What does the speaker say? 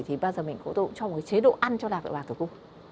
thì bao giờ mình có thể cho một cái chế độ ăn cho lạc để bằng tử cung